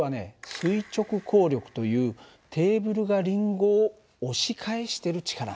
垂直抗力というテーブルがりんごを押し返してる力なんだ。